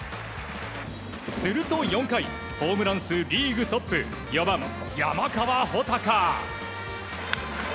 すると４回ホームラン数リーグトップ４番、山川穂高。